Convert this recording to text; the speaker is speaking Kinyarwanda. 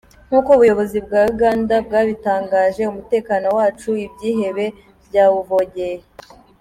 Nk’uko ubuyobozi bwa Uganda bwabitangaje, umutekano wacu ibyihebe byawuvogeye”.